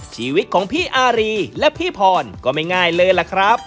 ชีวิตของพี่อารีและพี่พรก็ไม่ง่ายเลยล่ะครับ